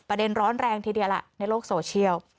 ประเด็นร้อนแรงทีเดียวแหละในโลกสโชว์เชียว